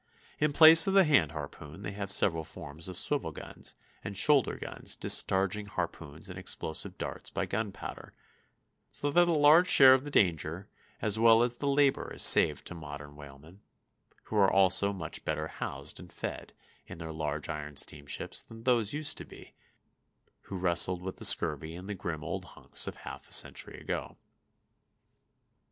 In place of the hand harpoon they have several forms of swivel guns and shoulder guns discharging harpoons and explosive darts by gunpowder, so that a large share of the danger as well as the labor is saved to modern whalemen, who are also much better housed and fed in their large iron steamships than those used to be who wrestled with scurvy in the grim old hulks of half a century ago.